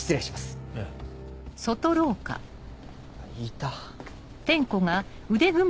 いた。